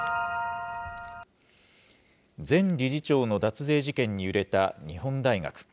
前理事長の脱税事件に揺れた日本大学。